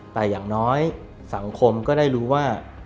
แต่อย่างน้อยสังคมก็ได้รู้ว่า